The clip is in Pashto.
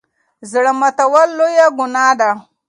زړه ماتول لويه ګناه ده.